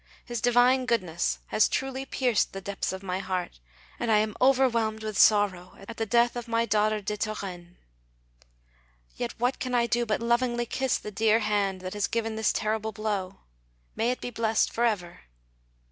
His divine Goodness has truly pierced the depths of my heart, and I am overwhelmed with sorrow at the death of my daughter de Thorens. Yet what can I do but lovingly kiss the dear hand that has given this terrible blow? May it be blessed for ever!